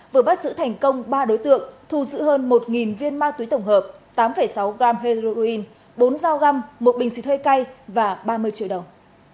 vừa bắt giữ thành công ba đối tượng thu giữ hơn một viên ma túy tổng hợp tám sáu g heroin bốn dao găm một bình xịt hơi cay và ba mươi triệu đồng